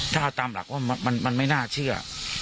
ถ้าเอาตามหลักว่ามันไม่น่าเชื่อ